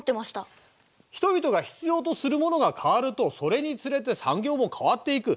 人々が必要とするものが変わるとそれにつれて産業も変わっていく。